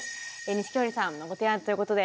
錦織さんのご提案ということで。